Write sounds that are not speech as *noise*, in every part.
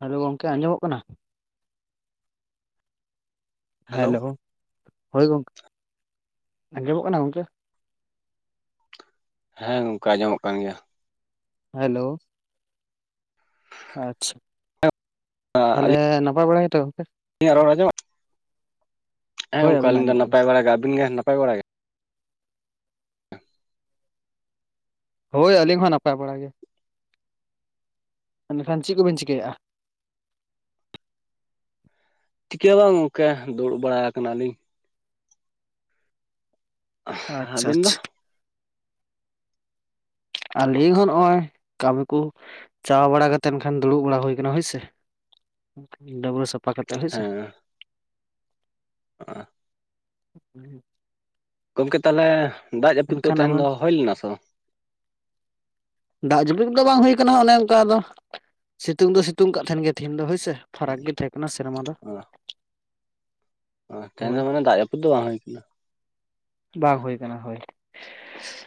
Hello ᱜᱚᱝᱠᱮ ᱟᱸᱡᱚᱢᱚᱜ ᱠᱟᱱᱟ? ᱦᱮᱞᱳ ᱦᱳᱭ ᱜᱚᱝᱠᱮ ᱟᱸᱡᱚᱢᱚᱜ ᱠᱟᱱᱟ ᱜᱚᱝᱠᱮ? ᱦᱮᱸ ᱜᱚᱝᱠᱮ ᱟᱸᱡᱚᱢᱚᱜ ᱠᱟᱱ ᱜᱮᱭᱟ᱾ ᱦᱮᱞᱳ᱾ ᱟᱪᱪᱷᱟ ᱛᱟᱞᱦᱮ ᱱᱟᱯᱟᱭ ᱵᱟᱲᱟ ᱜᱮᱛᱚ ᱜᱚᱝᱠᱮ᱾ ᱤᱧᱟᱹᱜ ᱨᱚᱲ ᱟᱸᱡᱚᱢᱚᱜ ᱦᱮᱸ ᱦᱳᱭ ᱜᱚᱝᱠᱮ ᱟᱵᱮᱱᱟᱜ ᱟᱹᱞᱤᱧ ᱫᱚ ᱟᱸᱡᱚᱢᱚᱜ ᱠᱟᱱᱟ᱾ ᱱᱟᱯᱟᱭ ᱵᱟᱲᱟ ᱜᱮ᱾ ᱟᱵᱤᱱ ᱜᱮ ᱱᱟᱯᱟᱭ ᱵᱟᱲᱟ ᱜᱮ? ᱦᱳᱭ ᱟᱹᱞᱤᱧ ᱦᱚᱸ ᱱᱟᱯᱟᱭ ᱵᱟᱲᱟ ᱜᱮ᱾ ᱮᱱᱠᱷᱟᱱ ᱪᱮᱫ ᱠᱚᱵᱮᱱ ᱪᱤᱠᱟᱹᱭᱮᱫᱼᱟ᱾ ᱪᱤᱠᱟᱹ ᱦᱚ ᱵᱟᱝ ᱜᱚᱝᱠᱮ ᱫᱩᱲᱩᱵ ᱵᱟᱲᱟ ᱟᱠᱟᱱᱟᱞᱤᱧ᱾ ᱟᱪᱪᱷᱟ ᱟᱹᱵᱤᱱ ᱫᱚ ᱟᱪᱪᱷᱟ᱾ ᱟᱹᱞᱤᱧ ᱦᱚᱸ ᱱᱚᱜᱼᱚᱭ ᱠᱟᱹᱢᱤ ᱠᱚ᱾ ᱪᱟᱣ ᱵᱟᱲᱟ ᱠᱟᱛᱮ ᱮᱱᱠᱷᱟᱱ ᱫᱩᱲᱩᱵ ᱵᱟᱲᱟ ᱦᱩᱭ ᱠᱟᱱᱟ, ᱦᱳᱭᱥᱮ? ᱰᱟᱹᱵᱨᱟᱹ ᱥᱟᱯ ᱯᱟ ᱠᱟᱛᱮ ᱦᱳᱭ ᱥᱮ᱾ ᱚ᱾ *inaudible* ᱜᱚᱝᱠᱮ ᱛᱟᱦᱚᱞᱮ ᱫᱟᱜ ᱡᱟᱹᱯᱩᱫ ᱫᱚ ᱮᱱᱠᱷᱟᱱ ᱛᱮᱦᱮᱧ ᱟᱵᱮᱱ ᱫᱚ ᱦᱩᱭ ᱞᱮᱱᱟ ᱥᱮ ᱵᱟ? ᱫᱟᱜ ᱡᱟᱯᱤᱫ ᱫᱚ ᱵᱟᱝ ᱦᱩᱭ ᱠᱟᱱᱟ ᱚᱱᱮ ᱚᱱᱠᱟ ᱟᱫᱚ ᱥᱤᱛᱩᱝ ᱫᱚ ᱥᱤᱛᱩᱝ ᱠᱟᱜ ᱛᱟᱦᱮᱱ ᱜᱮᱭᱟ ᱛᱤᱦᱤᱧ ᱫᱚ ᱦᱳᱭᱥᱮ᱾ ᱯᱷᱟᱨᱟᱠ ᱜᱮ ᱛᱟᱦᱮᱸ ᱠᱟᱱᱟ ᱥᱮᱨᱢᱟ ᱫᱚ᱾ ᱚ ᱛᱮᱦᱮᱧ ᱫᱚ ᱦᱳᱭ ᱢᱟᱱᱮ ᱫᱟᱜ ᱡᱟᱹᱯᱩᱫ ᱫᱚ ᱵᱟᱝ ᱦᱩᱭ ᱠᱟᱱᱟ᱾ ᱵᱟᱝ ᱦᱩᱭ ᱠᱟᱱᱟ ᱦᱳᱭ ᱫᱚ᱾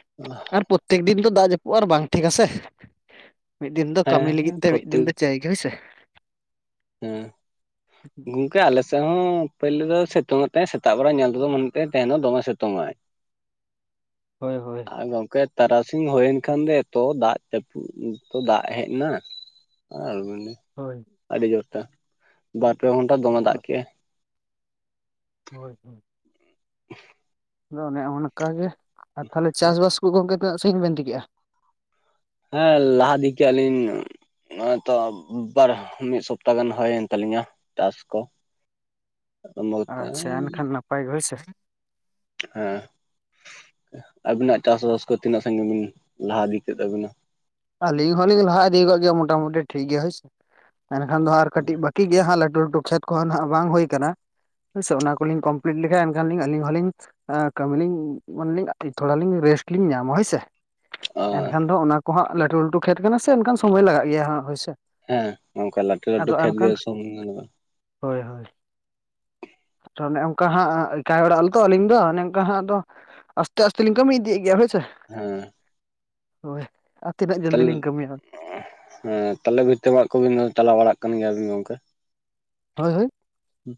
*unintelligible* ᱟᱨ ᱯᱨᱚᱛᱛᱮᱠ ᱫᱤᱱ ᱫᱚ ᱫᱟᱜ ᱡᱟᱹᱯᱩᱜ ᱟᱨ ᱵᱟᱝ ᱴᱷᱤᱠ ᱟᱥᱮ᱾ ᱢᱤᱫ ᱫᱤᱱ ᱫᱚ ᱠᱟᱹᱢᱤ ᱞᱟᱹᱜᱤᱫ ᱦᱮᱸ ᱛᱮ ᱢᱤᱫ ᱫᱤᱱ ᱯᱨᱚᱛᱮᱠ ᱫᱚ ᱪᱟᱹᱭ ᱜᱮ ᱦᱳᱭᱥᱮ᱾ ᱦᱮᱸ ᱜᱚᱝᱠᱮ ᱟᱞᱮᱥ ᱥᱮᱫᱦᱚᱸ ᱯᱳᱭᱞᱳ ᱫᱚ ᱥᱤᱛᱩᱝ ᱟᱛᱮ ᱥᱮᱛᱟᱜ ᱵᱮᱲᱟ ᱧᱮᱞ ᱛᱮᱫᱚ ᱢᱚᱱᱮ ᱛᱮ ᱛᱟᱦᱮᱧ ᱫᱚ ᱫᱚᱢᱮ ᱥᱤᱛᱩᱝᱟᱭ᱾ ᱦᱳᱭ ᱦᱳᱭ᱾ ᱟ ᱜᱚᱝᱠᱮ ᱛᱟᱨᱟᱥᱤᱧ ᱦᱩᱭᱮᱱ ᱠᱷᱟᱱ ᱫᱚ ᱮᱛᱚ ᱫᱟᱜ ᱡᱟᱯᱩᱫ ᱮᱛᱚ ᱫᱟᱜ ᱦᱮᱡ ᱱᱟ᱾ ᱟᱨ *unintelligible* ᱦᱳᱭ᱾ ᱟᱹᱰᱤ ᱡᱳᱨ ᱛᱮ᱾ ᱵᱟᱨ ᱯᱮ ᱜᱷᱚᱱᱴᱟ ᱫᱚᱢᱮ ᱫᱟᱜ ᱠᱮᱜᱼᱟᱭ᱾ ᱦᱳᱭ ᱦᱳᱭ᱾ *inaudible* ᱟᱫᱚ ᱚᱱᱮ ᱚᱱᱠᱟ ᱜᱮ ᱟᱨ ᱛᱟᱦᱚᱞᱮ ᱪᱟᱥᱵᱟᱥ ᱠᱚ ᱜᱚᱝᱠᱮ ᱛᱱᱟᱹᱜ ᱥᱟᱜᱤᱧ ᱵᱮᱱ ᱤᱫᱤ ᱠᱮᱜᱼᱟ᱾ ᱦᱮᱸ ᱞᱟᱦᱟ ᱤᱫᱤᱠᱮ ᱟᱞᱤᱧ ᱱᱚᱜ-ᱚᱭ ᱛᱚ ᱵᱟᱨ ᱢᱤᱫ ᱥᱚᱯᱛᱟ ᱜᱟᱱ ᱦᱳᱭᱮᱱ ᱛᱟᱞᱤᱧᱟ ᱪᱟᱥ ᱠᱚ᱾ ᱟᱪᱪᱷᱟ ᱮᱱᱠᱷᱟᱱ ᱱᱟᱯᱟᱭ ᱜᱮ ᱦᱳᱭ ᱥᱮ᱾ ᱦᱮᱸ ᱟᱵᱤᱱᱟᱜ ᱪᱟᱥᱵᱟᱥ ᱠᱚ ᱛᱤᱱᱟᱹᱜ ᱥᱟᱹᱜᱤᱧ ᱵᱤᱱ ᱞᱟᱦᱟ ᱤᱫᱤ ᱠᱮᱫ ᱛᱟᱵᱤᱱᱟ? ᱟᱹᱞᱤᱧ ᱦᱚᱞᱤᱧ ᱞᱟᱦᱟ ᱤᱫᱤᱣ ᱠᱟᱜ ᱜᱮᱭᱟ ᱢᱚᱴᱟᱢᱩᱴᱤ ᱴᱷᱤᱠ ᱜᱮᱭᱟ ᱦᱳᱭᱥᱮ᱾ ᱮᱱᱠᱷᱟᱱ ᱫᱚ ᱦᱟᱜ ᱟᱨ ᱠᱟᱹᱴᱤᱡ ᱵᱟᱹᱠᱤ ᱜᱮᱭᱟ ᱦᱟᱸᱜ᱾ ᱞᱟᱹᱴᱩ ᱞᱟᱹᱴᱩ ᱠᱷᱮᱛ ᱠᱚᱦᱚᱸ ᱱᱟᱦᱟᱸᱜ ᱵᱟᱝ ᱦᱩᱭ ᱠᱟᱱᱟ᱾ ᱦᱩᱭ ᱥᱮ ᱚᱱᱟ ᱠᱚᱞᱤᱧ ᱠᱚᱢᱯᱞᱤᱴ ᱞᱮᱠᱷᱟᱡ ᱮᱱᱠᱷᱟᱱᱞᱤᱧ ᱟᱹᱞᱤᱧ ᱦᱚᱞᱤᱧ ᱮ ᱠᱟᱢᱤ ᱞᱤᱧ ᱢᱟᱱᱮ ᱞᱤᱧ ᱛᱷᱚᱲᱟ ᱞᱤᱧ ᱨᱮᱥᱴ ᱞᱤᱧ ᱧᱟᱢᱟ ᱦᱳᱭᱥᱮ᱾ ᱟᱨ ᱮᱱᱠᱷᱟᱱ ᱫᱚ ᱚᱱᱟ ᱠᱚ ᱦᱟᱸᱜ ᱞᱟᱹᱴᱩ ᱞᱟᱹᱴᱩ ᱠᱷᱮᱛ ᱠᱟᱱᱟ ᱥᱮ ᱮᱱᱠᱷᱟᱱ ᱥᱚᱢᱚᱭ ᱞᱟᱜᱟᱜ ᱜᱮᱭᱟ ᱦᱟᱜ ᱦᱳᱭᱥᱮ᱾ ᱦᱮᱸ ᱱᱚᱝᱠᱟ ᱞᱟᱹᱴᱩ ᱞᱟᱹᱴᱩ ᱠᱷᱮᱛ ᱜᱮ ᱥᱚᱢᱚᱭ ᱫᱚ ᱞᱟᱜᱟ-ᱟ᱾ ᱦᱳᱭ ᱦᱳᱭ᱾ ᱟᱨᱟ ᱚᱱᱮ ᱚᱱᱠᱟ ᱦᱟᱸᱜ ᱮᱠᱟᱭ ᱚᱲᱟᱜ ᱟᱞᱮᱛᱚ ᱟᱞᱤᱧ ᱫᱚ ᱚᱱᱮ ᱚᱱᱠᱟ ᱦᱟᱸᱜ ᱟᱫᱚ ᱟᱥᱛᱮ ᱟᱥᱛᱮ ᱞᱤᱧ ᱠᱟᱢᱤ ᱤᱫᱤᱭᱮᱫ ᱜᱮᱭᱟ ᱦᱳᱭᱥᱮ᱾ ᱦᱮ᱾ ᱦᱳᱭ᱾ ᱟᱨ ᱛᱤᱱᱟᱹᱜ ᱡᱚᱞᱫᱤ ᱛᱟᱞᱮ ᱞᱤᱧ ᱠᱟᱹᱢᱤᱭᱟ ᱦᱮᱸ ᱛᱟᱦᱞᱮ ᱵᱷᱤᱛᱟᱹ ᱢᱟᱜᱽ ᱠᱚᱵᱤᱱ ᱪᱟᱞᱟᱣ ᱵᱟᱲᱟᱜ ᱠᱟᱱ ᱜᱮᱭᱟ ᱵᱤᱱ ᱜᱚᱝᱠᱮ? ᱦᱳᱭ ᱦᱳᱭ᱾ ᱦᱩᱸ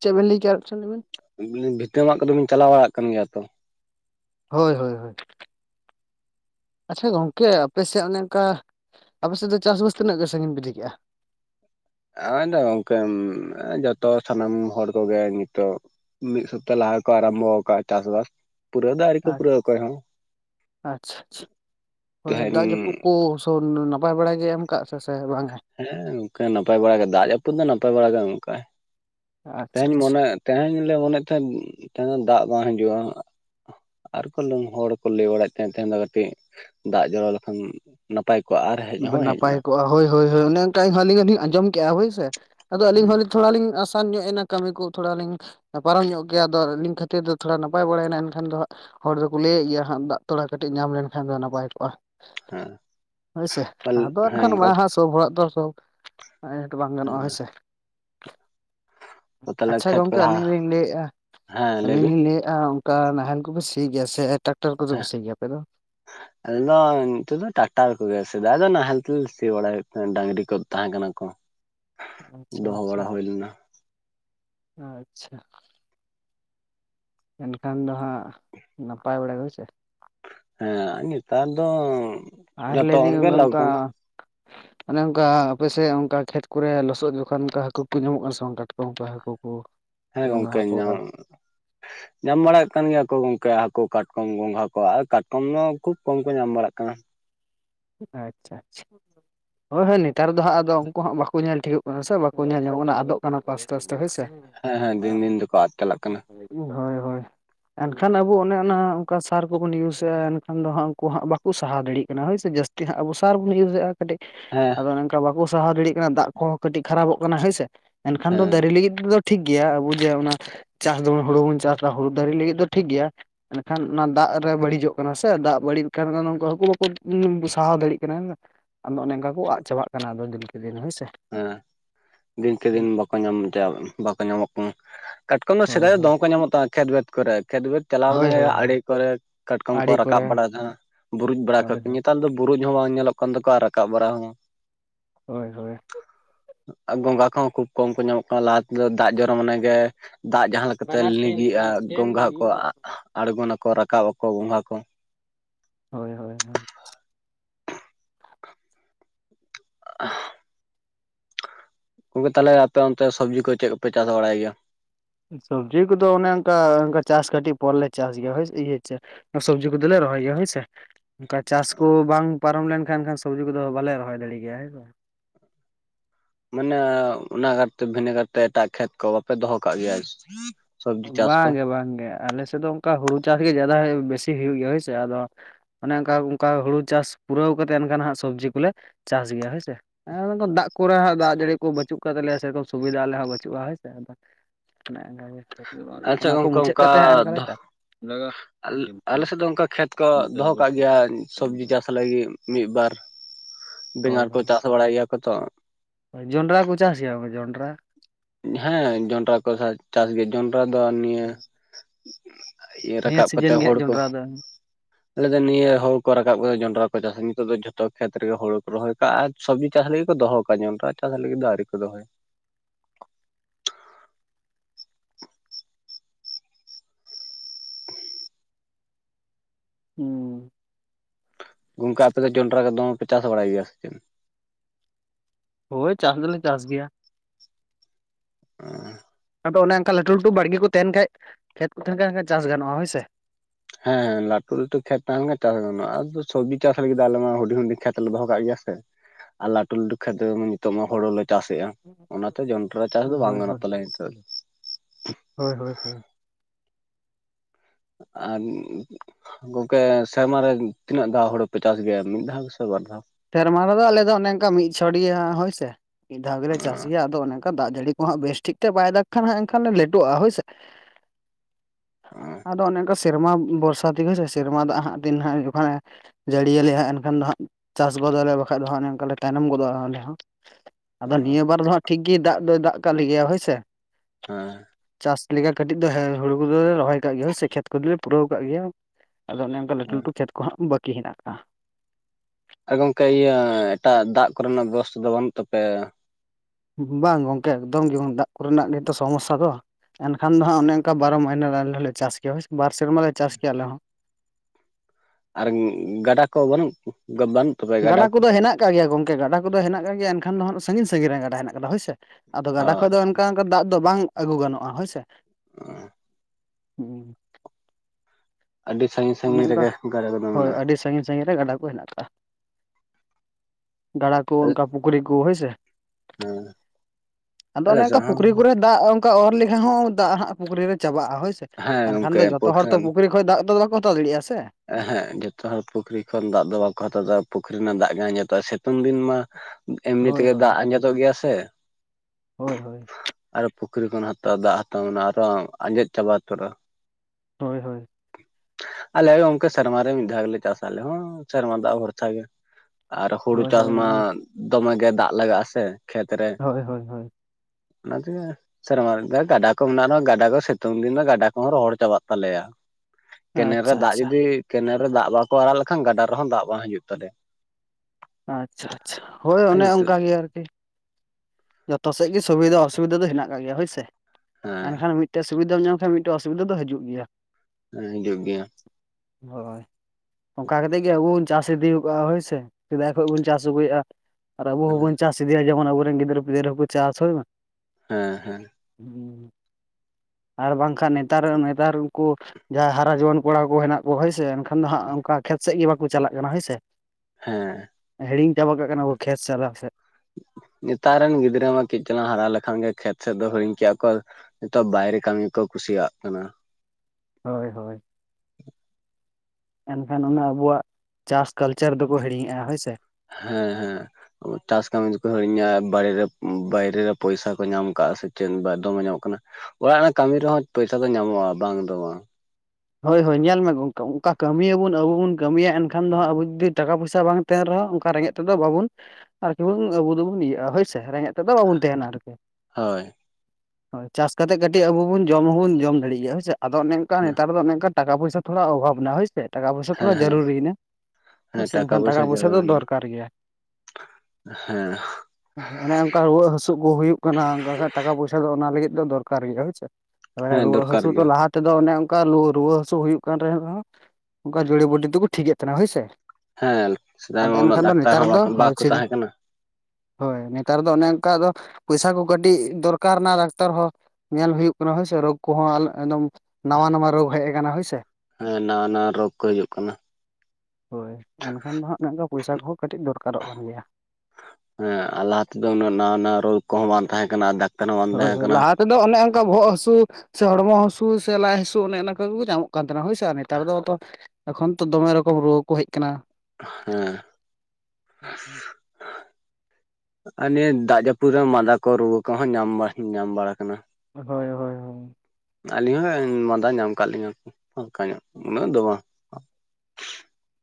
ᱪᱮᱫ ᱵᱤᱱ ᱞᱟᱹᱭ ᱠᱮᱜᱟ ᱟᱨ ᱢᱤᱫ ᱪᱷᱚᱴ ᱞᱟᱭᱵᱤᱱ? ᱵᱷᱤᱛᱟᱹ ᱢᱟᱜ ᱠᱚᱫᱚ ᱵᱤᱱ ᱪᱟᱞᱟ ᱵᱟᱲᱟᱜ ᱠᱟᱱ ᱜᱮᱭᱟ ᱛᱚ? ᱦᱳᱭ, ᱦᱳᱭ ᱦᱳᱭ, ᱟᱪᱪᱷᱟ ᱜᱚᱝᱠᱮ, ᱟᱯᱮᱥᱮᱫ ᱚᱱᱮ ᱚᱱᱠᱟ ᱟᱯᱮᱥᱮᱫ ᱫᱚ ᱪᱟᱥᱵᱟᱥ ᱛᱤᱱᱟᱹᱜ ᱜᱮ ᱥᱟᱜᱤᱧ ᱤᱫᱤ ᱠᱮᱫᱼᱟ? ᱟ ᱫᱚ ᱜᱚᱝᱠᱮ ᱮᱢ ᱡᱚᱛᱚ ᱥᱟᱱᱟᱢ ᱦᱚᱲ ᱠᱚᱜᱮ ᱱᱤᱛᱳ ᱢᱤᱫ ᱥᱚᱯᱛᱟ ᱞᱟᱦᱟ ᱠᱚ ᱟᱨᱟᱢᱵᱚ ᱟᱠᱟᱼᱟ ᱪᱟᱥᱵᱟᱥ, ᱯᱩᱨᱟᱹᱣ ᱫᱟ ᱟᱹᱶᱨᱤ ᱠᱚ ᱯᱩᱨᱟᱹ ᱚᱠᱚᱭ ᱦᱚᱸ ᱾ ᱟᱪᱪᱷᱟ ᱟᱪᱪᱷᱟ ᱛᱮᱦᱮᱧ ᱛᱚ ᱱᱟᱯᱟᱭ ᱵᱟᱲᱟᱭ ᱜᱮ ᱮᱢ ᱟᱠᱟᱜ ᱯᱮ ᱥᱮ ᱵᱟᱝᱼᱟ᱾ ᱦᱮᱸ ᱚᱱᱠᱟ ᱱᱟᱯᱟᱭ ᱵᱟᱲᱟᱜᱮ, ᱫᱟᱜ ᱡᱟᱹᱯᱩᱫ ᱫᱚ ᱱᱟᱯᱟᱭ ᱵᱟᱲᱟᱜᱮ, ᱚᱱᱠᱟ ᱟᱪᱪᱷᱟ ᱛᱮᱦᱮᱧ ᱢᱚᱱᱮ ᱟᱪᱪᱷᱟ ᱛᱮᱦᱤᱧᱞᱮ ᱢᱚᱱᱮ ᱮᱫ ᱛᱟᱦᱮᱸ ᱛᱟᱦᱮᱱ ᱫᱚ ᱫᱟᱜ ᱵᱟᱝ ᱦᱤᱡᱩᱜᱼᱟ ᱦᱟᱜ, ᱟᱨᱠᱚ ᱞᱟᱹ ᱦᱚᱲ ᱠᱚ ᱞᱟᱹᱭ ᱵᱟᱲᱟᱭᱮᱫ ᱛᱟᱦᱮᱸᱫ ᱛᱮᱦᱮᱸ ᱫᱚ ᱠᱟᱹᱴᱤᱡ ᱫᱟᱜ ᱡᱚᱨᱟᱣ ᱞᱮᱠᱷᱟᱱ ᱱᱟᱯᱟᱭ ᱠᱚᱜᱼᱟ ᱟᱨ ᱦᱮᱡ ᱟᱨ ᱦᱚᱸ ᱦᱮᱡ ᱱᱟᱯᱟᱭ ᱮᱱᱟ ᱠᱚᱜᱼᱟ, ᱦᱳᱭ ᱦᱳᱭ ᱦᱳᱭ ᱚᱱᱮ ᱚᱱᱠᱟ ᱟᱹᱞᱤᱧᱦᱞᱤᱧ ᱟᱸᱡᱚᱢ ᱠᱮᱜᱼᱟ ᱦᱳᱭᱥᱮ ᱾ ᱟᱫᱚ ᱟᱹᱞᱤᱧ ᱦᱚᱸᱞᱤᱧ ᱛᱷᱚᱲᱟ ᱞᱤᱧ ᱟᱥᱟᱱ ᱧᱚᱜ ᱮᱱᱟ ᱾ ᱠᱟᱹᱢᱤ ᱠᱚ ᱛᱷᱚᱲᱟ ᱞᱤᱧ ᱯᱟᱨᱚᱢ ᱧᱚᱜ ᱠᱮᱼᱟ ᱟᱫᱚ ᱟᱹᱞᱤᱧ ᱠᱷᱟᱹᱛᱤᱨ ᱫᱚ ᱛᱷᱚᱲᱟ ᱱᱟᱯᱟᱭ ᱵᱟᱲᱟᱭᱮᱱᱟ, ᱮᱱᱠᱷᱟᱱ ᱫᱚ ᱦᱟᱸᱜ ᱾ ᱦᱚᱲ ᱫᱚᱠᱚ ᱞᱟᱹᱭᱮᱫ ᱜᱮᱭᱟ ᱦᱟᱸᱜ, ᱫᱟᱜ ᱛᱚᱲᱟ ᱠᱟᱹᱴᱤᱡ ᱧᱟᱢ ᱞᱮᱱᱠᱷᱟᱱ ᱫᱚ ᱱᱟᱯᱟᱭ ᱠᱚᱜᱼᱟ ᱾ ᱦᱮᱸ ᱦᱳᱭᱥᱮ, ᱟᱫᱚ ᱦᱮᱸ ᱮᱱᱠᱷᱟᱱ ᱚᱱᱠᱟ ᱢᱟ ᱦᱟᱜ ᱥᱚᱵ ᱦᱚᱲᱟᱜ ᱫᱚ ᱥᱚᱵ ᱵᱟᱝ ᱦᱮᱸ ᱜᱟᱱᱚᱜᱼᱟ ᱦᱳᱭᱥᱮ ᱾ ᱛᱟᱦᱚᱞᱮ ᱟᱪᱪᱷᱟ ᱠᱷᱮᱛ ᱜᱚᱝᱠᱮ, ᱠᱚᱨᱮ ᱟᱹᱞᱤᱧ ᱞᱤᱧ ᱞᱟᱹᱭᱮᱫᱼᱟ ᱦᱮᱸ ᱞᱟᱹᱭ ᱟᱹᱞᱤᱧ ᱵᱤᱱ ᱞᱤᱧ ᱞᱟᱹᱭᱮᱼᱟ ᱚᱱᱠᱟ ᱱᱟᱦᱮᱞ ᱠᱚᱯᱮ ᱥᱤ ᱜᱮᱭᱟ, ᱥᱮ ᱴᱨᱟᱠᱴᱟᱨ ᱠᱚᱫᱚ ᱦᱮᱸ ᱯᱮ ᱥᱤ ᱜᱮᱭᱟ ᱟᱯᱮ ᱫᱚ? ᱟᱞᱮ ᱫᱚ ᱱᱤᱛᱚᱜ ᱫᱚ ᱴᱟᱠᱴᱟᱨ ᱠᱚᱜᱮ, ᱥᱮᱫᱟᱭ ᱫᱚ ᱱᱟᱦᱮᱞ ᱛᱮᱞᱮ ᱥᱤ ᱵᱟᱲᱟᱭᱮᱫ ᱛᱟᱦᱮ ᱰᱟᱝᱨᱤ ᱠᱚ ᱛᱟᱦᱮᱸ ᱠᱟᱱᱟ ᱠᱚ ᱾ ᱟᱪᱪᱷᱟ ᱟᱪᱪᱷᱟ, ᱟᱪᱪᱷᱟ, ᱮᱱᱠᱷᱟᱱ ᱫᱚ ᱦᱟᱸᱜ ᱱᱟᱯᱟᱭ ᱵᱟᱲᱟ ᱜᱮ ᱦᱳᱸᱥᱮ ᱾ ᱦᱮᱸ, ᱱᱮᱛᱟᱨ ᱫᱚ ᱟᱨ ᱡᱚᱛᱚ ᱞᱟᱹᱭ ᱦᱚᱲ ᱫᱤᱧ ᱜᱮ ᱜᱚᱝᱠᱟ ᱞᱚᱜᱚᱱ ᱚᱱᱮ ᱚᱱᱠᱟ ᱟᱯᱮᱥᱮᱫ ᱚᱱᱠᱟ ᱠᱷᱮᱛ ᱠᱚᱨᱮ ᱞᱚᱥᱚᱫ ᱡᱚᱠᱷᱚᱱ, ᱚᱱᱠᱟ ᱦᱟᱹᱠᱩ ᱠᱚ ᱧᱟᱢᱚᱜ ᱠᱟᱱᱟ ᱥᱮ ᱵᱟᱝ ᱠᱟᱴᱠᱚᱢ ᱦᱟᱹᱠᱩ ᱠᱩ ᱦᱟᱹᱠᱩ ᱠᱩ? ᱦᱮᱸ ᱜᱚᱝᱠᱮ, ᱧᱟᱢ *unintelligible* ᱧᱟᱢ ᱵᱟᱲᱮᱫ ᱠᱟᱱ ᱜᱮᱭᱟ ᱠᱚ ᱜᱚᱢᱠᱮ, ᱦᱟᱹᱠᱩ ᱠᱟᱴᱠᱚᱢ ᱜᱚᱸᱜᱷᱟ ᱠᱚ, ᱟᱨ ᱠᱟᱴᱠᱚᱢ ᱫᱚ ᱠᱷᱩᱵ ᱠᱚᱢ ᱠᱚ ᱧᱟᱢ ᱵᱟᱲᱟᱜ ᱠᱟᱱᱟ ᱾ ᱟᱪᱪᱷᱟ, ᱟᱪᱪᱷᱟ ᱦᱳᱭ ᱦᱳᱭ, ᱱᱮᱛᱟᱨ ᱫᱚ ᱟᱸᱜ ᱟᱫᱚ ᱩᱱᱠᱩ ᱦᱟᱜ ᱵᱟᱠᱚ ᱧᱮᱞ ᱴᱷᱤᱠᱚᱜ ᱠᱟᱱᱟ ᱥᱮ, ᱵᱟᱠᱚ ᱧᱮᱞ ᱧᱟᱢᱚᱜ ᱠᱟᱱᱟ ᱟᱫᱚᱜ ᱠᱟᱱᱟ ᱠᱚ ᱟᱥᱛᱮ ᱟᱥᱛᱮ ᱦᱳᱭᱥᱮ ᱾ ᱦᱮᱸ ᱦᱮᱸ, ᱫᱤᱱ ᱫᱤᱱ ᱫᱚᱠᱚ ᱟᱫ ᱪᱟᱞᱟᱜ ᱠᱟᱱᱟ ᱾ ᱦᱳᱭ ᱦᱳᱭ, ᱮᱱᱠᱷᱟᱱ ᱟᱵᱚ ᱚᱱᱮ ᱚᱱᱟ, ᱚᱱᱠᱟ ᱥᱟᱨ ᱠᱚᱵᱚᱱ ᱤᱭᱩᱡᱮᱫᱼᱟ ᱾ ᱮᱱᱠᱷᱟᱱ ᱫᱚ ᱦᱟᱸᱜ ᱩᱱᱠᱩ ᱦᱟᱸᱜ ᱵᱟᱠᱚ ᱥᱟᱦᱟ ᱫᱟᱲᱮᱭᱟᱜ ᱠᱟᱱᱟ ᱦᱳᱭᱥᱮ ᱡᱟᱹᱥᱛ ᱟᱵᱚ ᱥᱟᱨ ᱵᱚᱱ ᱤᱭᱩᱡᱮᱫᱼᱟ, ᱠᱟᱹᱴᱤᱡ ᱮᱸ ᱟᱫᱚ ᱚᱱᱮ ᱚᱱᱠᱟ ᱵᱟᱠᱚ ᱥᱟᱦᱟᱣ ᱫᱟᱲᱮᱭᱟᱜ ᱠᱟᱱᱟ ᱾ ᱫᱟᱜ ᱠᱚᱦᱚᱸ ᱠᱟᱹᱴᱤᱡ ᱠᱷᱟᱨᱟᱯᱚᱜ ᱠᱟᱱᱟ ᱦᱮᱸᱥᱮ, ᱮᱱᱠᱷᱟᱱ ᱫᱚ ᱦᱮᱸ ᱫᱟᱨᱮ ᱞᱟᱹᱜᱤᱫ ᱛᱮᱫᱚ ᱴᱷᱤᱠ ᱜᱮᱭᱟ, ᱟᱵᱚ ᱡᱮ ᱚᱱᱟ ᱪᱟᱥ ᱫᱟᱵᱚᱱ ᱦᱳᱲᱳ ᱵᱚᱱ ᱪᱟᱥᱟ, ᱦᱳᱲᱳ ᱫᱟᱨᱮ ᱞᱟᱹᱜᱤᱫ ᱫᱚ ᱴᱷᱤᱠ ᱜᱮᱭᱟ ᱾ ᱮᱱᱠᱷᱟᱱ ᱚᱱᱟ ᱫᱟᱜ ᱨᱮ ᱵᱟᱹᱲᱤᱡᱚᱜ ᱠᱟᱱᱟ ᱥᱮ, ᱫᱟᱜ ᱵᱟᱹᱲᱤᱡ ᱞᱮᱠᱷᱟᱱ ᱫᱚᱠᱩ ᱦᱟᱹᱠᱩ ᱵᱟᱠᱚ ᱵᱩᱥᱟᱜ ᱥᱟᱦᱟᱣ ᱫᱟᱲᱮᱜ ᱠᱟᱱᱟ, ᱦᱮ ᱥᱮ ᱟᱫᱚ ᱚᱱᱮ ᱚᱱᱠᱟ ᱠᱚ ᱟᱫ ᱪᱟᱵᱟᱜ ᱠᱟᱱᱟ ᱟᱫᱚ ᱫᱤᱱᱡᱮ ᱫᱤᱱ ᱦᱳᱭᱥᱮ ᱾ ᱦᱮᱸ, ᱫᱤᱱᱠᱮ ᱫᱤᱱ ᱵᱟᱠᱚ ᱧᱟᱢ ᱪᱟ ᱵᱟᱠᱚ ᱧᱟᱢᱚᱜ ᱠᱟᱱᱟ ᱾ ᱠᱟᱴᱠᱚᱢ ᱫᱚ ᱦᱳᱭ ᱥᱮᱫᱟᱭ ᱫᱚ ᱦᱳᱭ ᱫᱚᱢᱮ ᱠᱚ ᱧᱟᱢᱚᱜ ᱛᱟᱦᱮᱫ ᱠᱷᱮᱛ ᱵᱮᱫ ᱠᱚᱨᱮ, ᱠᱷᱮᱛ ᱵᱮᱫ ᱪᱟᱞᱟᱣ ᱦᱳᱭ ᱮᱱᱟᱮ ᱦᱳᱭ ᱟᱲᱮ ᱠᱚᱨᱮ ᱾ ᱠᱟᱴᱠᱚᱢ ᱠᱚ ᱟᱲᱮ ᱨᱟᱠᱟᱵ ᱠᱚᱨᱮ ᱵᱟᱲᱟᱫᱷᱟ ᱵᱩᱨᱩᱡ ᱵᱟᱲᱟ ᱠᱟᱜ ᱦᱳᱭ ᱠᱟᱛ, ᱱᱮᱛᱟᱨ ᱫᱚ ᱵᱩᱨᱩᱡ ᱦᱚᱸ ᱵᱟᱝ ᱧᱮᱞᱚᱜ ᱠᱟᱱ ᱛᱟᱠᱚᱣᱟ ᱟᱨ ᱨᱟᱠᱟᱵ ᱵᱟᱲᱟ ᱦᱚᱸ ᱾ ᱦᱳᱭ, ᱦᱳᱭ, ᱜᱚᱸᱜᱟ ᱠᱚᱦᱚᱸ ᱠᱷᱩᱵ ᱠᱚᱢ ᱠᱚ ᱧᱟᱢᱚᱜ ᱠᱟᱱᱟ, ᱞᱟᱦᱟ ᱛᱮᱫᱚ ᱫᱟᱜ ᱡᱚᱨᱟ ᱢᱟᱱᱮ ᱜᱮ, ᱫᱟᱜ ᱡᱟᱦᱟᱸ ᱞᱮ ᱠᱟᱛᱮ ᱵᱟᱱᱟᱨ ᱥᱮᱢ ᱞᱤᱸᱜᱤᱜᱼᱟ, ᱵᱟᱝ ᱥᱮᱢ ᱫᱚ ᱜᱚᱸᱜᱷᱟ ᱧᱩ ᱠᱚ ᱫᱚ ᱟᱬᱜᱚᱱᱟᱠᱚ ᱨᱟᱠᱟᱵ ᱟᱠᱚ ᱜᱚᱸᱜᱷᱟ ᱠᱚ᱾ ᱦᱳᱭ ᱦᱳᱭ ᱦᱳᱭ᱾ *inaudible* ᱜᱚᱝᱠᱮ ᱛᱟᱞᱦᱮ ᱟᱯᱮ ᱚᱱᱛᱮ ᱥᱚᱵᱡᱤ ᱠᱚ ᱪᱮᱫ ᱠᱚᱯᱮ ᱪᱟᱥ ᱵᱟᱲᱟᱭ ᱜᱮᱭᱟ? ᱥᱚᱵᱽᱡᱤ ᱠᱚᱫᱚ ᱚᱱᱮ ᱚᱱᱠᱟ ᱚᱱᱠᱟ ᱪᱟᱥ ᱠᱟᱹᱴᱤᱡ ᱯᱚᱨᱞ ᱞᱮ ᱪᱟᱥ ᱜᱮᱭᱟ ᱦᱳᱭ ᱤᱭᱟᱹ ᱪᱮ ᱱᱟ ᱥᱚᱵᱡᱤ ᱠᱚᱫᱚ ᱞᱮ ᱨᱚᱦᱚᱭ ᱜᱮᱭᱟ ᱦᱳᱭ ᱥᱮ᱾ ᱚᱱᱠᱟ ᱪᱟᱥ ᱠᱚ ᱵᱟᱝ ᱯᱟᱨᱚᱢ ᱞᱮᱱᱠᱷᱟᱱ ᱠᱷᱟᱱ ᱥᱚᱵᱽᱡᱤ ᱠᱚᱫᱚ ᱵᱟᱞᱮ ᱨᱚᱦᱚᱭ ᱫᱟᱲᱮ ᱠᱮᱭᱟ, ᱦᱮᱸ ᱥᱮ᱾ ᱢᱟᱱᱮ ᱚᱱᱟ ᱠᱟᱨᱛᱮ ᱵᱷᱤᱱᱟᱹ ᱜᱟᱨᱛᱮ ᱮᱴᱟᱜ ᱠᱷᱮᱛ ᱠᱚ ᱵᱟᱯᱮ ᱫᱚᱦᱚ ᱠᱟᱜ ᱜᱮᱭᱟ *inaudible* ᱠᱚ ᱵᱟᱝᱜᱮ ᱵᱟᱝᱜᱮ ᱟᱞᱮ ᱥᱮᱫ ᱫᱚ ᱚᱱᱠᱟ ᱦᱩᱲᱩ ᱪᱟᱥ ᱜᱮ ᱡᱟᱫᱟ ᱵᱮᱥᱤ ᱦᱩᱭᱩᱜ ᱜᱮᱭᱟ ᱦᱳᱭᱥᱮ ᱟᱫᱚ ᱚᱱᱮ ᱚᱱᱠᱟ ᱚᱱᱠᱟ ᱦᱩᱲᱩ ᱪᱟᱥ ᱯᱩᱨᱟᱹᱣ ᱠᱟᱛᱮᱜ ᱮᱱᱠᱷᱟᱱ ᱦᱟᱸᱜ ᱥᱚᱵᱽᱡᱤ ᱠᱚᱞᱮ ᱪᱟᱥ ᱜᱮᱭᱟ ᱦᱳᱸᱥᱮ᱾ ᱫᱟᱜ ᱠᱚᱨᱮ ᱦᱟᱸᱜ ᱫᱟᱜ ᱡᱟᱹᱲᱤ ᱠᱚ ᱵᱟᱹᱪᱩᱜ ᱠᱟᱜ ᱛᱟᱞᱮᱭᱟ ᱥᱮᱨᱚᱠᱚᱢ ᱥᱩᱵᱤᱫᱟ ᱟᱞᱮ ᱦᱚᱸ ᱵᱟᱹᱪᱩᱜᱼᱟ ᱦᱳᱭ ᱥᱮ ᱟᱫᱚ *inaudible* ᱟᱪᱪᱷᱟ ᱚᱱᱟ ᱠᱚ ᱢᱩᱪᱟᱹᱫ ᱠᱟᱛᱮᱫ ᱦᱟᱸᱜ ᱮᱱᱠᱟᱞᱮ ᱪᱟᱥ᱾ ᱞᱟᱜᱟ ᱟᱞ ᱟᱞᱮ ᱥᱮᱫ ᱫᱚ ᱚᱱᱠᱟ ᱠᱷᱮᱛ ᱠᱚ ᱫᱚᱦᱚ ᱠᱟᱜ ᱜᱮᱭᱟ ᱥᱚᱵᱽᱡᱤ ᱪᱟᱥ ᱞᱟᱹᱜᱤᱫ᱾ ᱢᱤᱫ ᱵᱟᱨ ᱦᱳᱭ ᱵᱮᱝᱜᱟᱲ ᱠᱚ ᱦᱳᱭ ᱪᱟᱥ ᱵᱟᱲᱟᱭ ᱜᱮᱭᱟ ᱠᱚᱛᱚ᱾ ᱡᱚᱱᱰᱨᱟ ᱠᱚ ᱪᱟᱥ ᱜᱮᱭᱟ ᱯᱮ ᱡᱚᱱᱰᱨᱟ? ᱦᱮᱸ ᱡᱚᱱᱰᱨᱟ ᱠᱚ ᱥᱟ ᱪᱟᱥ ᱜᱮᱭᱟ ᱡᱚᱸᱰᱨᱟ ᱫᱚ ᱱᱤᱭᱟᱹ ᱤᱭᱟᱹ ᱱᱤᱭᱟᱹ ᱨᱟᱠᱟᱵ ᱠᱟᱛᱮᱜ ᱥᱤᱡᱤᱱ ᱜᱮ ᱦᱟᱸᱜ ᱦᱩᱲᱩ ᱠᱚ᱾ ᱡᱚᱱᱰᱨᱟ ᱫᱚ *inaudible* ᱟᱞᱮ ᱫᱚ ᱱᱤᱭᱟᱹ ᱦᱳᱲᱳ ᱠᱚ ᱨᱟᱠᱟᱵ ᱠᱟᱛᱮᱜ ᱡᱚᱱᱰᱨᱟ ᱠᱚ ᱪᱟᱥᱟ ᱱᱤᱛᱚᱜ ᱫᱚ ᱡᱚᱛᱚ ᱠᱷᱮᱛ ᱨᱮᱜᱮ ᱦᱳᱲᱳ ᱠᱚ ᱨᱚᱦᱚᱭ ᱠᱟᱜᱼᱟ᱾ ᱥᱚᱵᱽᱡᱤ ᱪᱟᱥ ᱞᱟᱹᱜᱤᱫ ᱠᱚ ᱫᱚᱦᱚ ᱠᱟᱜ-ᱟ ᱡᱚᱱᱰᱨᱟ ᱪᱟᱥ ᱞᱟᱹᱜᱤᱫ ᱫᱚ ᱟᱣᱨᱤ ᱠᱚ ᱫᱚᱦᱚᱭᱟ᱾ ᱦᱩᱸ᱾ ᱜᱚᱝᱠᱮ ᱟᱯᱮ ᱫᱚ ᱡᱚᱱᱰᱨᱟ ᱠᱚ ᱫᱚᱢᱮ ᱯᱮ ᱪᱟᱥ ᱵᱟᱲᱟᱭ ᱜᱮᱭᱟ ᱥᱮ ᱪᱮᱫ? ᱦᱳᱭ ᱪᱟᱥ ᱫᱚᱞᱮ ᱪᱟᱥ ᱜᱮᱭᱟ᱾ ᱚ᱾ ᱟᱫᱚ ᱚᱱᱮ ᱚᱱᱠᱟ ᱞᱟᱹᱴᱩ ᱞᱟᱹᱴᱩ ᱵᱟᱲᱜᱮ ᱠᱚ ᱛᱟᱦᱮᱱ ᱠᱷᱟᱡ ᱠᱷᱮᱛ ᱠᱚ ᱛᱟᱦᱮᱱ ᱠᱷᱟᱡ ᱮᱱᱠᱷᱟᱱ ᱪᱟᱥ ᱜᱟᱱᱚᱜᱼᱟ ᱦᱳᱭ ᱥᱮ᱾ ᱦᱮᱸ ᱞᱟᱹᱴᱩ ᱞᱟᱹᱴᱩ ᱠᱷᱮᱛ ᱛᱟᱦᱮᱱ ᱠᱷᱟᱱ ᱪᱟᱥ ᱜᱟᱱᱚᱜᱼᱟ, ᱟᱫᱚ ᱥᱚᱵᱽᱡᱤ ᱪᱟᱥ ᱞᱟᱹᱜᱤᱫ ᱫᱚ ᱟᱞᱮ ᱢᱟ ᱦᱩᱰᱤᱧ ᱦᱩᱰᱤᱧ ᱠᱷᱮᱛ ᱞᱮ ᱫᱚᱦᱚ ᱠᱟᱜ ᱜᱮᱭᱟ ᱥᱮ᱾ ᱟᱨ ᱞᱟᱹᱴᱩ ᱞᱟᱹᱴᱩ ᱠᱷᱮᱛ ᱨᱮᱢᱟ ᱱᱤᱛᱚᱜ ᱢᱟ ᱦᱳᱲᱳ ᱞᱮ ᱪᱟᱥᱮᱜᱼᱟ᱾ ᱚᱱᱟᱛᱮ ᱡᱚᱱᱰᱨᱟ ᱪᱟᱥ ᱫᱚ ᱵᱟᱝ ᱦᱳᱭ ᱜᱟᱱᱚᱜ ᱦᱳᱭ ᱛᱟᱞᱮᱭᱟ ᱱᱤᱛᱚᱜ ᱫᱚ᱾ ᱦᱳᱭ ᱦᱳᱭ ᱦᱳᱭ᱾ ᱟᱨ ᱜᱚᱝᱠᱮ ᱥᱮᱨᱢᱟ ᱨᱮ ᱛᱤᱱᱟᱹᱜ ᱫᱷᱟᱣ ᱦᱚᱲᱩ ᱯᱮ ᱪᱟᱥ ᱜᱮᱭᱟ ᱢᱤᱫ ᱫᱷᱟᱣ ᱜᱮᱥᱮ ᱵᱟᱨ ᱫᱷᱟᱣ? ᱥᱮᱨᱢᱟ ᱨᱮᱫᱚ ᱟᱞᱮ ᱫᱚ ᱚᱱᱮ ᱚᱱᱠᱟ ᱢᱤᱫ ᱪᱷᱚᱴ ᱜᱮ ᱦᱟᱸᱜ ᱦᱳᱭᱥᱮ ᱢᱤᱫ ᱫᱷᱟᱣ ᱜᱮᱞᱮ ᱪᱟᱥ ᱜᱮᱭᱟ ᱟᱫᱚ ᱚᱱᱮ ᱠᱟ ᱫᱟᱜ ᱡᱟᱹᱲᱤ ᱠᱚ ᱦᱟᱸᱜ ᱵᱮᱥ ᱴᱷᱤᱠ ᱛᱮ ᱵᱟᱭ ᱫᱟᱜᱽ ᱠᱷᱟᱱ ᱦᱟᱸᱜ ᱮᱱᱠᱷᱟᱱ ᱞᱮ ᱞᱮᱴᱳᱜᱼᱟ ᱦᱳᱭᱥᱮ᱾ ᱦᱮᱸ ᱟᱫᱚ ᱚᱱᱮ ᱚᱱᱠᱟ ᱥᱮᱨᱢᱟ ᱵᱚᱨᱥᱟ ᱛᱮᱜᱮ ᱦᱳᱭ ᱥᱮ ᱥᱮᱨᱢᱟ ᱫᱟᱜ ᱦᱟᱸᱜ ᱫᱤᱱ ᱦᱟᱸᱜ ᱡᱚᱠᱷᱚᱱᱮ ᱡᱟᱹᱲᱤ ᱭᱟᱞᱮᱭᱟ ᱮᱱᱠᱷᱟᱱ ᱫᱚ ᱦᱟᱸᱜ ᱪᱟᱥ ᱵᱟᱹᱫ ᱫᱟᱞᱮ ᱵᱟᱠᱷᱟᱡ ᱫᱚ ᱦᱟᱸᱜ ᱚᱱᱮ ᱚᱱᱠᱟ ᱞᱮ ᱛᱟᱭᱱᱚᱢ ᱜᱚᱫᱚᱜᱼᱟ ᱟᱞᱮ ᱦᱚᱸ᱾ ᱟᱫᱚ ᱱᱤᱭᱟᱹ ᱵᱟᱨ ᱫᱚ ᱦᱟᱸᱜ ᱴᱷᱤᱠ ᱜᱮ ᱫᱟᱜ ᱫᱚᱭ ᱫᱟᱜ ᱠᱟᱜ ᱞᱮᱜᱮᱭᱟ ᱦᱳᱭᱥᱮ᱾ ᱦᱮᱸ᱾ ᱪᱟᱥ ᱞᱮᱠᱟ ᱠᱟᱹᱴᱤᱡ ᱫᱚ ᱦᱮ ᱦᱩᱲᱩ ᱠᱚᱫᱚ ᱞᱮ ᱨᱚᱦᱚᱭ ᱠᱟᱜ ᱜᱮᱭᱟ ᱦᱳᱭ ᱥᱮ ᱠᱷᱮᱛ ᱠᱚᱫᱚᱞᱮ ᱯᱩᱨᱟᱹᱣ ᱠᱟᱜ ᱜᱮᱭᱟ ᱟᱫᱚ ᱚᱱᱮ ᱠᱟ ᱞᱟᱹᱴᱩ ᱞᱟᱹᱴᱩ ᱠᱷᱮᱛ ᱠᱚ ᱦᱟᱸᱜ ᱵᱟᱠᱤ ᱦᱮᱱᱟᱜ ᱠᱟᱜ-ᱟ᱾ ᱮ ᱜᱚᱝᱠᱮ ᱤᱭᱟᱹ ᱮᱴᱟᱜ ᱫᱟᱜ ᱠᱚᱨᱮ ᱱᱟᱜ ᱵᱮᱵᱚᱥᱛᱟ ᱫᱚ ᱵᱟᱹᱱᱩᱜ ᱛᱟᱯᱮᱭᱟ? ᱵᱟᱝ ᱜᱚᱝᱠᱮ ᱮᱠᱫᱚᱢ ᱜᱮ ᱵᱟᱝ, ᱫᱟᱜ ᱠᱚᱨᱮ ᱱᱟᱜ ᱜᱮᱛᱚ ᱥᱚᱢᱚᱥᱥᱟ ᱫᱚ᱾ ᱮᱱᱠᱷᱟᱱ ᱫᱚ ᱦᱟᱸᱜ ᱚᱱᱮ ᱚᱱᱠᱟ ᱵᱟᱨᱚ ᱢᱟᱹᱭᱱᱟᱹ ᱨᱮ ᱟᱞᱮ ᱦᱚᱸᱞᱮ ᱪᱟᱥ ᱜᱟᱭᱟ ᱦᱳᱭ ᱥᱮ, ᱵᱟᱨ ᱥᱮᱨᱢᱟ ᱞᱮ ᱪᱟᱥ ᱜᱟᱭᱟ ᱟᱞᱮ ᱦᱚᱸ᱾ ᱟᱨ ᱜᱟᱰᱟ ᱠᱚ ᱵᱟᱹᱱᱩᱜ, ᱜᱟ ᱵᱟᱹᱱᱩᱜ? ᱜᱟᱰᱟ ᱠᱚ ᱫᱚ ᱦᱮᱱᱟᱜ ᱠᱟᱜ ᱜᱮᱭᱟ ᱜᱚᱝᱠᱮ, ᱜᱟᱰᱟ ᱠᱚ ᱫᱚ ᱦᱮᱱᱟᱜ ᱠᱟᱜ ᱜᱮᱭᱟ ᱮᱱᱠᱷᱟᱱ ᱫᱚ ᱦᱟᱸᱜ ᱥᱟᱺᱜᱤᱧ ᱥᱟᱺᱜᱤᱧ ᱨᱮ ᱜᱟᱰᱟ ᱦᱮᱱᱟᱜ ᱠᱟᱫᱟ ᱦᱳᱭ ᱥᱮ᱾ ᱟᱫᱚ ᱜᱟᱰᱟ ᱠᱷᱚᱡ ᱫᱚ ᱚᱱᱠᱟ ᱚᱱᱠᱟ ᱫᱟᱜ ᱫᱚ ᱵᱟᱝ ᱟᱹᱜᱩ ᱜᱟᱱᱚᱜᱼᱟ ᱦᱳᱭᱥᱮ᱾ *unintelligible* ᱟᱹᱰᱤ ᱥᱟᱺᱜᱤᱧ ᱚᱱᱮ ᱥᱟᱺᱜᱤᱧ ᱚᱱᱠᱟ ᱨᱮᱜᱮ ᱜᱟᱰᱟ ᱠᱚ ᱫᱚ ᱦᱳᱭ ᱢᱮᱱᱟᱜᱼᱟ᱾ ᱟᱹᱰᱤ ᱥᱟᱺᱜᱤᱧ ᱥᱟᱺᱜᱤᱧ ᱨᱮ ᱜᱟᱰᱟ ᱠᱚ ᱦᱮᱱᱟᱜ ᱠᱟᱫᱟ, *inaudible* ᱜᱟᱰᱟ ᱠᱚ ᱚᱱᱠᱟ ᱯᱩᱠᱷᱨᱤ ᱠᱚ ᱦᱳᱭᱥᱮ᱾ ᱦᱮᱸ *inaudible* ᱟᱫᱚ ᱟᱞᱮ ᱚᱱᱮ ᱚᱱᱠᱟ ᱥᱮᱫ ᱦᱚᱸ ᱯᱩᱠᱷᱨᱤ ᱠᱚᱨᱮ ᱫᱟᱜ ᱚᱱᱠᱟ ᱚᱨ ᱞᱮᱠᱷᱟᱡ ᱦᱚᱸ ᱫᱟᱜ ᱦᱟᱸᱜ ᱯᱩᱠᱷᱨᱤ ᱨᱮ ᱪᱟᱵᱟᱜᱼᱟ, ᱦᱳᱭ ᱥᱮ ᱦᱮᱸ ᱮᱱᱠᱷᱟᱱ ᱜᱚᱝᱠᱮ ᱫᱚ ᱡᱚᱛᱚ ᱦᱚᱲ ᱛᱚ ᱨᱮᱱᱟᱜ ᱯᱩᱠᱷᱨᱤ- ᱠᱚᱭ ᱫᱟᱜ ᱫᱚ ᱟᱫᱚ ᱵᱟᱠᱚ ᱦᱟᱛᱟᱣ ᱫᱟᱲᱮᱭᱼᱟ ᱥᱮ᱾ ᱮᱸᱦᱮᱸᱜ ᱡᱚᱛᱚ ᱦᱚᱲ ᱯᱩᱠᱷᱨᱤ ᱠᱷᱚᱱ ᱫᱟᱜ ᱫᱚ ᱵᱟᱠᱚ ᱦᱟᱛᱟᱣ ᱫᱟ, ᱯᱩᱠᱷᱨᱤ ᱨᱮᱱᱟᱜ ᱫᱟᱜ ᱜᱮ ᱟᱡᱮᱸᱫᱚᱜ-ᱟ ᱥᱤᱛᱩᱝ ᱫᱤᱱ ᱢᱟ ᱮᱢᱱᱤ ᱦᱳᱭ ᱛᱮᱜᱮ ᱦᱳᱭ ᱫᱟᱜ ᱟᱸᱡᱮᱫᱚᱜ ᱜᱮᱭᱟ ᱥᱮ᱾ *unintelligible* ᱦᱳᱭ, ᱟᱨᱚ ᱯᱩᱠᱷᱨᱤ ᱠᱷᱚᱱ ᱦᱟᱛᱟᱣ ᱫᱟᱜ ᱦᱟᱛᱟᱣ ᱢᱟᱱᱮ ᱟᱨᱚ ᱟᱸᱡᱮᱫ ᱪᱟᱵᱟ ᱩᱛᱟᱹᱨᱚᱜ-ᱟ᱾ ᱦᱳᱭ ᱦᱳᱭ, ᱟᱞᱮ ᱜᱚᱝᱠᱮ ᱥᱮᱨᱢᱟ ᱨᱮ ᱢᱤᱫ ᱫᱷᱟᱣ ᱜᱮᱞᱮ ᱪᱟᱥᱟ, ᱟᱞᱮ ᱦᱚᱸ ᱥᱮᱨᱢᱟ ᱫᱟᱜ ᱵᱷᱚᱨᱥᱟ ᱜᱮ᱾ ᱟᱨ ᱦᱩᱲᱩ ᱦᱳᱭ ᱦᱳᱭ ᱪᱟᱥ ᱦᱳᱭ ᱢᱟ, ᱦᱮᱸ ᱫᱚᱢᱮᱜᱮ ᱫᱟᱜ ᱞᱟᱜᱟᱜ ᱟᱥᱮ ᱠᱷᱮᱛᱨᱮ᱾ *unintelligible* ᱦᱳᱭ ᱦᱳᱭ ᱦᱳᱭ ᱯᱟᱪᱮᱫ *unintelligible* ᱥᱮᱨᱢᱟ ᱨᱮ ᱢᱤᱫ ᱫᱷᱟᱣ ᱜᱟᱰᱟ ᱠᱚ ᱢᱮᱱᱟᱜᱼᱟ, ᱫᱚ ᱜᱟᱰᱟ ᱠᱚ ᱥᱤᱛᱩᱝ ᱫᱤᱱ ᱫᱚ ᱜᱟᱰᱟ ᱠᱚᱦᱚᱸ ᱨᱚᱦᱚᱲ ᱪᱟᱵᱟᱜ ᱛᱟᱞᱮᱭᱟ᱾ ᱠᱮᱱᱮᱞ ᱨᱮ ᱟᱪᱪᱷᱟ ᱫᱟᱜ ᱟᱪᱪᱷᱟ ᱡᱩᱫᱤᱪ ᱠᱮᱱᱮᱞ ᱨᱮ ᱫᱟᱜ ᱵᱟᱠᱚ ᱟᱲᱟᱜ ᱞᱮᱠᱷᱟᱱ ᱜᱟᱰᱟ ᱨᱮᱦᱚᱸ ᱫᱟᱜ ᱵᱟᱝ ᱦᱤᱡᱩᱜ ᱛᱟᱞᱮᱭᱟ᱾ ᱟᱪᱪᱷᱟ ᱟᱪᱪᱷᱟ, ᱦᱳᱭ ᱟᱨ ᱚᱱᱮ ᱱᱤᱛᱚᱜ ᱚᱱᱠᱟ ᱜᱮ ᱟᱨ ᱠᱤ᱾ ᱡᱚᱛᱚ ᱥᱮᱜ ᱜᱮ ᱥᱩᱵᱤᱫᱟ ᱚᱥᱩᱵᱤᱫᱟ ᱫᱚ ᱦᱮᱱᱟᱜ ᱟᱠᱟᱜ ᱜᱮᱭᱟ ᱦᱳᱭ ᱥᱮ, ᱦᱮᱸ ᱮᱱᱠᱷᱟᱱᱼᱼ ᱴᱮᱡ‌ ᱥᱩᱵᱤᱫᱟᱢ ᱧᱟᱢ ᱠᱷᱟᱱ ᱢᱤᱫᱴᱮᱱ ᱚᱥᱩᱵᱤᱫᱟ ᱫᱚ ᱦᱟᱹᱡᱩᱜ ᱜᱮᱭᱟ᱾ ᱦᱤᱡᱩᱜ ᱜᱮᱭᱟ᱾ ᱦᱚᱭ᱾ *unintelligible* ᱚᱝᱠᱟ ᱠᱟᱛᱮᱜ ᱜᱮ ᱟᱵᱚ ᱵᱚᱱ ᱪᱟᱥ ᱤᱫᱤᱣ ᱠᱟᱜ-ᱟ ᱦᱳᱭ ᱥᱮ, ᱥᱮᱫᱟᱭ ᱠᱷᱚᱱ ᱵᱚᱱ ᱪᱟᱥ ᱟᱹᱜᱩᱭᱮᱜ-ᱟ᱾ ᱟᱨ ᱟᱹᱵᱩ ᱦᱮᱸ ᱦᱚᱸᱵᱩᱱ ᱪᱟᱥ ᱤᱫᱤᱭᱟ ᱡᱮᱢᱚᱱ ᱟᱵᱚ ᱨᱮᱱ ᱜᱤᱫᱽᱟᱹᱨᱼ ᱯᱤᱫᱟᱹᱨ ᱦᱚᱸ ᱠᱚ ᱪᱟᱥ ᱦᱳᱭ ᱢᱟ᱾ ᱦᱮᱸ ᱦᱮᱸ᱾ *unintelligible* ᱦᱩᱸ ᱟᱨ ᱵᱟᱝᱠᱷᱟᱱ ᱱᱮᱛᱟᱨ ᱨᱮᱱ ᱱᱮᱛᱟᱨ ᱩᱱᱠᱩᱼᱼ ᱡᱟᱦᱟᱸᱭ ᱦᱟᱨᱟ ᱡᱩᱣᱟᱹᱱ ᱠᱚᱲᱟ ᱠᱚ ᱦᱮᱱᱟᱜ ᱠᱚᱣᱟ ᱦᱳᱭ ᱥᱮ, ᱮᱱᱠᱷᱟᱱ ᱫᱚ ᱦᱟᱸᱜ ᱚᱱᱠᱟ ᱠᱷᱮᱛ ᱥᱮᱜ ᱜᱮ ᱵᱟᱠᱚ ᱪᱟᱞᱟᱜ ᱠᱟᱱᱟ ᱦᱳᱭ ᱥᱮ᱾ ᱦᱮᱸ᱾ ᱦᱤᱲᱤᱧ ᱪᱟᱵᱟ ᱠᱟᱜ ᱠᱟᱱᱟ ᱠᱚ ᱠᱷᱮᱛ ᱪᱟᱞᱟᱣ ᱥᱮᱜ᱾ ᱱᱮᱛᱟᱨ ᱨᱮᱱ ᱜᱤᱫᱽᱨᱟᱹ ᱢᱟ ᱠᱟᱹᱡ ᱪᱟᱞᱟᱝ ᱦᱟᱨᱟ ᱞᱮᱠᱷᱟᱱ ᱜᱮ ᱠᱷᱮᱛ ᱥᱮᱫ ᱫᱚ ᱦᱤᱲᱤᱧ ᱠᱮᱜ-ᱟ ᱠᱚ᱾ ᱱᱤᱛᱚᱜ ᱵᱟᱭᱨᱮ ᱠᱟᱢᱤ ᱠᱚ ᱠᱩᱥᱤ ᱭᱟᱜ ᱠᱟᱱᱟ᱾ ᱦᱳᱭ ᱦᱳᱭ᱾ ᱮᱱᱠᱷᱟᱱ ᱚᱱᱟ ᱟᱹᱵᱩᱣᱟᱜ, ᱪᱟᱥ ᱠᱟᱞᱪᱚᱨ ᱫᱚᱠᱚ ᱦᱤᱲᱤᱧᱮᱜ-ᱟ ᱦᱳᱭ ᱥᱮ᱾ ᱦᱮᱸ ᱦᱮᱸ᱾ ᱪᱟᱥ ᱠᱟᱢᱤ ᱫᱚᱠᱚ ᱦᱤᱲᱤᱧᱟ ᱵᱟᱲᱮ‌ ᱨᱮ ‌ᱩᱢ‌ ᱵᱟᱭᱨᱮ ᱨᱮ ᱯᱚᱭᱥᱟ ᱠᱚ ᱧᱟᱢ ᱠᱟᱜ-ᱟ ᱥᱮ ᱪᱮᱱ ᱵᱟ ᱫᱚᱢᱮ ᱧᱟᱢᱚᱜ ᱠᱟᱱᱟ᱾ ᱚᱲᱟᱜ ᱨᱮᱱᱟᱜ ᱠᱟᱢᱤ ᱨᱮᱦᱚᱸ ᱯᱚᱭᱥᱟ ᱫᱚ ᱧᱟᱢᱚᱜ-ᱟ ᱵᱟᱝ ᱫᱚ ᱵᱟᱝ᱾ ᱦᱳᱭ ᱦᱳᱭ ᱧᱮᱞ ᱢᱮ ᱜᱚᱝᱠᱮ ᱚᱱᱠᱟ ᱠᱟᱹᱢᱤ ᱭᱟᱹᱵᱩᱱ ᱟᱹᱵᱩ ᱵᱩᱱ ᱠᱟᱹᱢᱤᱭᱟ ᱮᱱᱠᱷᱟᱱ ᱫᱚ ᱦᱟᱸᱜ, ᱟᱵᱚ ᱡᱩᱫᱤ ᱴᱟᱠᱟ ᱯᱚᱭᱥᱟ ᱵᱟᱝᱼᱼ ᱛᱮᱱ ᱨᱮᱦᱚᱸ ᱚᱱᱠᱟ ᱨᱮᱸᱜᱮᱡ ᱛᱮᱫᱚ ᱵᱟᱵᱩᱱ ᱟᱨ ᱠᱤ ᱵᱩᱱ ᱟᱹᱵᱩ ᱫᱩᱵᱩᱱ ᱤᱭᱟᱹᱜ-ᱟ ᱦᱳᱭ ᱥᱮ᱾ ᱨᱮᱸᱜᱮᱡᱼᱼ ᱛᱮᱫᱟ ᱵᱟᱵᱚᱱ ᱛᱟᱦᱮᱱᱟ ᱟᱨ ᱠᱤ᱾ ᱦᱳᱭ *unintelligible* ᱪᱟᱥ ᱠᱟᱛᱮᱜ ᱠᱟᱹᱴᱤᱡ ᱟᱹᱵᱩ ᱵᱩᱱ ᱡᱚᱢ ᱦᱚᱸ ᱵᱩᱱ ᱡᱚᱢ ᱫᱟᱲᱤᱭᱟᱜ ᱜᱮᱭᱟ ᱦᱳᱭ ᱥᱮ, ᱟᱫᱚ ᱚᱱᱮ ᱚᱝᱠᱟ ᱱᱮᱼ ᱟᱫᱟ ᱚᱱᱮ ᱚᱝᱠᱟ ᱴᱟᱠᱟ ᱯᱚᱭᱥᱟ ᱛᱷᱚᱲᱟ ᱚᱵᱷᱟᱵᱽ ᱮᱱᱟ ᱦᱳᱭ ᱥᱮ᱾ ᱴᱟᱠᱟ ᱯᱚᱭᱥᱟ ᱛᱷᱚᱲᱟ ᱦᱮᱸ ᱦᱮᱸ ᱡᱟᱹᱨᱩᱨᱤ, *inaudible* ᱭᱮᱱᱟ ᱥᱮ ᱮᱱᱠᱷᱟᱱ ᱴᱟᱠᱟ ᱯᱚᱭᱥᱟ ᱫᱚ ᱫᱚᱨᱠᱟᱨ ᱜᱮᱭᱟ᱾ *inaudible* ᱦᱮᱸ᱾ ᱦᱚᱸᱜ ᱚᱱᱮ ᱚᱱᱠᱟ ᱨᱩᱣᱟᱹ ᱦᱟᱹᱥᱩᱜ ᱠᱚ ᱦᱩᱭᱩᱜ ᱠᱟᱱᱟ ᱚᱱᱠᱟ ᱠᱷᱟᱡ‌ ᱴᱟᱠᱟ ᱯᱚᱭᱥᱟ ᱫᱚ ᱚᱱᱟ ᱞᱟᱹᱜᱤᱫ ᱫᱚ ᱫᱚᱨᱠᱟᱨ ᱜᱮᱭᱟ ᱦᱳᱭ ᱥᱮ᱾ ᱮᱭ ᱦᱮᱸ ᱨᱩᱣᱟᱹ ᱫᱚᱨᱠᱟᱨ ᱦᱟᱹᱥᱩ ᱫᱚ ᱜᱮᱭᱟ ᱞᱟᱦᱟ ᱛᱮᱫᱚ ᱚᱱᱮ‌ ᱚᱝᱼᱼ ᱠᱟ ᱞᱩᱣᱟᱹ ᱨᱩᱣᱟᱹ ᱦᱟᱹᱥᱩ ᱦᱩᱭᱩᱜ ᱠᱟᱱ ᱨᱮᱦᱚᱸ ᱚᱱᱠᱟ ᱡᱩᱲᱤ ᱵᱩᱴᱤ ᱛᱤᱠᱩ ᱴᱷᱤᱠᱮᱫ ᱛᱟᱦᱮᱱᱟ ᱦᱳᱭ ᱥᱮ ᱾ ᱦᱮᱸ ᱥᱮᱫᱟᱭ ᱢᱟ ᱩᱱᱟᱹᱜ ᱰᱟᱠᱛᱟᱨ ᱦᱚᱸ ᱫᱚ ᱵᱟᱠ ᱦᱳᱭ ‌ᱵᱟᱠᱚ ᱥᱮ ᱛᱟᱦᱮᱸ ᱠᱟᱱᱟ ᱾ ᱦᱳᱭ ᱱᱮᱛᱟᱨ ᱫᱚ ᱚᱱᱮ ᱚᱝᱠᱟ ᱟᱫᱚ ᱯᱩᱭᱥᱟ ᱠᱩ ᱠᱟᱹᱴᱤᱡ ᱫᱚᱨᱠᱟᱨ ᱱᱟ ᱰᱟᱠᱛᱚᱨ ᱦᱚᱸ᱾ ᱧᱮᱞ ᱦᱩᱭᱩᱜ ᱠᱟᱱᱟ ᱦᱳᱭ ᱥᱮ ᱨᱳᱜᱽ ᱠᱚᱦᱚᱸ ᱟᱞᱟ ᱮᱠᱫᱚᱢ ᱱᱟᱣᱟ ᱱᱟᱣᱟ ᱨᱳᱜᱽ ᱦᱮᱡ ᱟᱠᱟᱱᱟ ᱦᱳᱭ ᱥᱮ᱾ ᱦᱮᱸ ᱱᱟᱣᱟ ᱱᱟᱣᱟ ᱨᱳᱜᱽ ᱠᱚ ᱦᱤᱡᱩᱜ ᱠᱟᱱᱟ ᱾ ᱦᱳᱭ ᱮᱱᱠᱷᱟᱱ ᱫᱚ ᱦᱟᱸᱜ ᱱᱚᱝᱠᱟ ᱯᱚᱭᱥᱟ ᱠᱚ ᱦᱚᱸ ᱠᱟᱹᱴᱤᱡ ᱫᱚᱨᱠᱟᱨᱚᱜ ᱠᱟᱱ ᱜᱮᱭᱟ ᱾ ᱦᱮᱸ ᱟᱨ ᱞᱟᱦᱟ ᱛᱮᱫᱚ ᱩᱱᱟᱹᱜ ᱱᱟᱣᱟ ᱱᱟᱣᱟ ᱨᱳᱜᱽ ᱠᱚᱦᱚᱸ ᱵᱟᱝ ᱛᱟᱦᱮᱸ ᱠᱟᱱᱟ ᱰᱟᱠ ᱦᱳᱭ ᱦᱳᱭ ᱞᱟᱦᱟ ᱛᱮᱫᱚ ᱚᱱᱮ ᱚᱝᱠᱟ ᱵᱚᱦᱚᱜ ᱦᱟᱹᱥᱩ ᱥᱮ ᱦᱚᱲᱢᱚ ᱦᱟᱹᱥᱩ ᱥᱮ ᱞᱟᱡ ᱦᱟᱹᱥᱩ ᱚᱱᱮ ᱚᱱᱟ ᱠᱚᱜᱮ ᱧᱟᱢᱚᱜᱼᱼ ᱠᱟᱱ ᱛᱟᱦᱮᱱᱟ ᱦᱳᱭ ᱥᱮ ᱱᱮᱛᱟᱨ ᱫᱚ ᱮᱠᱷᱚᱱ ᱛᱚ ᱫᱚᱢᱮ ᱨᱚᱠᱚᱢ ᱨᱩᱣᱟᱹ ᱠᱚ ᱦᱮᱡ ᱠᱟᱱᱟ ᱾ ᱦᱮᱸ ᱩᱸ ᱩᱸ᱾ ᱟᱨ ᱱᱤᱭᱟᱹ ᱫᱟᱜ ᱡᱟᱹᱯᱩᱜ ᱨᱮ ᱢᱟᱸᱫᱟ ᱠᱚ ᱨᱩᱣᱟᱹ ᱠᱚᱦᱚᱸ ᱧᱟᱢ ᱵᱟ ᱧᱟᱢ ᱵᱟᱲᱟ ᱠᱟᱱᱟ᱾ ᱦᱳᱭ ᱦᱳᱭ ᱦᱳᱭ᱾ ᱟᱹᱞᱤᱧ ᱦᱚᱸᱻᱮᱸ ᱢᱟᱸᱫᱟ ᱧᱟᱢ ᱟᱠᱟᱜ ᱞᱤᱧᱟᱹ ᱦᱟᱞᱠᱟ ᱧᱚᱜ ᱩᱱᱟᱹᱜ ᱫᱚ ᱵᱟᱝ ᱾ *inaudible*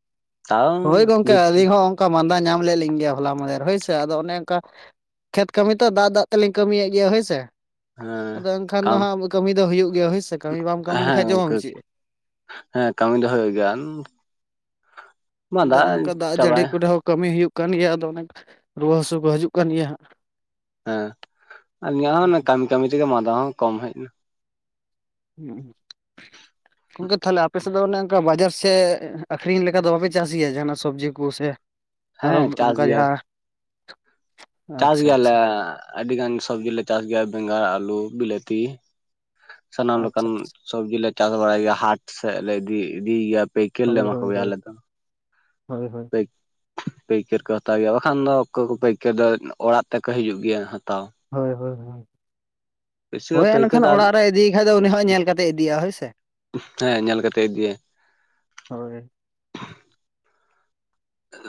ᱦᱳᱭ ᱜᱚᱝᱠᱮ ᱵᱷᱤᱛ ᱟᱹᱞᱤᱧ ᱦᱚᱸ ᱚᱝᱠᱟ ᱢᱟᱸᱫᱟ ᱧᱟᱢ ᱞᱮᱫ ᱞᱤᱧ ᱜᱮᱭᱟ ᱦᱚᱞᱟ ᱢᱟᱸᱫᱷᱮᱨ ᱦᱳᱭ ᱥᱮ ᱟᱫᱚ ᱚᱱᱮ ᱚᱝᱠᱟ ᱠᱷᱮᱛ ᱠᱟᱹᱢᱤ ᱛᱚ ᱫᱟᱜ ᱫᱟᱜ ᱛᱮᱞᱤᱧ ᱠᱟᱹᱢᱤ ᱭᱮᱜ ᱜᱮᱭᱟ ᱦᱳᱭ ᱥᱮ ᱾ ᱦᱮᱸ ᱟᱫᱚ ᱮᱱᱠᱷᱟᱱ ᱫᱚ ᱠᱟᱢ ᱦᱟᱸᱜ ᱠᱟᱹᱢᱤ ᱫᱚ ᱦᱩᱭᱩᱜ ᱜᱮᱭᱟ ᱦᱳᱭ ᱥᱮ ᱠᱟᱹᱢᱤ ᱵᱟᱢ ᱠᱟᱹᱢᱤ ᱦᱮᱸ ᱞᱮᱠᱷᱟᱡ ᱡᱚᱢᱟᱢ ᱜᱚᱝᱠᱮ ᱪᱤᱜ? ᱦᱮᱸ ᱠᱟᱹᱢᱤ ᱫᱚ ᱦᱩᱭᱩᱜ ᱜᱮᱭᱟ ᱟᱱ ᱟᱫᱚ ᱦᱟᱸᱜ ᱚᱱᱮ ᱚᱱᱠᱟ ᱫᱟᱜ ᱡᱟᱹᱲᱤ ᱠᱚᱨᱮ ᱦᱚᱸ ᱠᱟᱹᱢᱤ ᱦᱩᱭᱩᱜ ᱠᱟᱱ ᱜᱮᱭᱟ ᱟᱫᱚ ᱚᱱᱮᱝ ᱠᱟ ᱨᱩᱣᱟᱹ ᱦᱟᱹᱥᱩ ᱠᱚ ᱦᱤᱡᱩᱜ ᱠᱟᱱ ᱜᱮᱭᱟ ᱦᱟᱸᱜ ᱾ ᱦᱮᱸ‌ ᱟᱹᱞᱤᱧᱟᱜ ᱦᱚᱸ ᱚᱱᱟ ᱠᱟᱹᱢᱤ ᱠᱟᱹᱢᱤ ᱛᱮᱜᱮ ᱢᱟᱸᱫᱟ ᱦᱚᱸ ᱠᱚᱢ ᱦᱮᱡ ᱱᱟ ᱾ ᱦᱩᱸᱻ᱾ ᱜᱚᱝᱠᱮ ᱛᱟᱦᱚᱞᱮ ᱟᱯᱮ ᱥᱮᱫ ᱫᱚ ᱚᱱᱮ ᱚᱱᱠᱟ ᱵᱟᱡᱟᱨ ᱥᱮᱫ ᱟᱹᱠᱷᱨᱤᱧ ᱞᱮᱠᱟ ᱫᱚ ᱵᱟᱯᱮ ᱪᱟᱥ ᱜᱮᱭᱟ ᱡᱟᱦᱟᱸᱱᱟᱜ ᱥᱚᱵᱽᱡᱤ ᱠᱚ ᱥᱮ ᱦᱮᱸ ᱟᱨᱦᱚᱸ ᱪᱟᱥ ᱚᱱᱠᱟ ᱜᱮᱭᱟ ᱡᱟᱦᱟᱸ ᱪᱟᱥ ᱟᱪᱪᱷᱟ ᱜᱮᱭᱟᱞᱮ ᱟᱪᱪᱷᱟ ᱟᱹᱰᱤᱜᱟᱱ ᱥᱚᱵᱡᱤᱞᱮ ᱪᱟᱥ ᱜᱮᱭᱟ ᱵᱮᱸᱜᱟᱲ ᱟᱹᱞᱩ ᱵᱤᱞᱟᱹᱛᱤ ᱾ ᱥᱟᱱᱟᱢ ᱞᱮᱠᱟᱱ ᱟᱪᱪᱷᱟ ᱟᱪᱪᱷᱟ ᱥᱚᱵᱽᱡᱤ ᱞᱮ ᱪᱟᱥ ᱵᱟᱲᱟᱭᱟ ᱜᱮᱭᱟ ᱦᱟᱴ ᱥᱮᱫ ᱞᱮ ᱤᱫᱤ ᱤᱫᱤᱭᱮᱭᱟ ᱾ ᱦᱳᱭ ᱦᱳᱭ ᱦᱳᱭ, ᱦᱳᱭ ᱦᱳᱭ ᱾ ᱯᱟᱹᱭ ᱯᱟᱹᱭᱠᱟᱹᱨ ᱠᱚ ᱦᱟᱛᱟᱣ ᱜᱮᱭᱟ ᱵᱟᱠᱷᱟᱱ ᱫᱚ ᱚᱠᱚᱭ ᱠᱚ ᱯᱟᱹᱭᱠᱟᱹᱨ ᱫᱚ ᱚᱲᱟᱜ ᱛᱮᱠᱚ ᱦᱤᱡᱩᱜ ᱜᱮᱭᱟ ᱦᱟᱛᱟᱣ ᱾ ᱦᱳᱭ ᱦᱳᱭ ᱦᱳᱭ ᱵᱮᱥᱤᱨ ᱦᱚᱭ ᱵᱷᱟᱜᱽ ᱯᱟᱹᱭᱠᱟᱹᱨ ᱮᱱᱠᱷᱟᱱ ᱫᱚ ᱚᱲᱟᱜ ᱨᱮᱭ ᱤᱫᱤᱭᱮ ᱠᱷᱟᱡ ᱫᱚ ᱩᱱᱤ ᱦᱚᱸ ᱧᱮᱞ ᱠᱟᱛᱮ ᱤᱫᱤᱭᱟ ᱦᱳᱭ ᱥᱮ ᱾ ᱦᱮᱸ ᱧᱮᱞ ᱠᱟᱛᱮᱜ ᱤᱫᱤᱭᱟᱭ ᱾ ᱦᱳᱭ